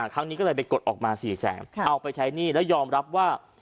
ครั้งนี้ก็เลยไปกดออกมา๔แสนเอาไปใช้หนี้แล้วยอมรับว่า